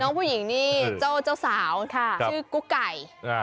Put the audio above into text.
ก็คือผู้หญิงนี่จ้าวเจ้าสาวที่กุ๊กไก่